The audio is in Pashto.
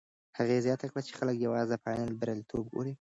هغې زیاته کړه، خلک یوازې د فاینل بریالیتوب ګوري.